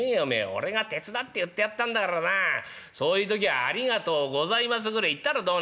俺が手伝って売ってやったんだからさあそういう時はありがとうございますぐらい言ったらどうなんだろうな」。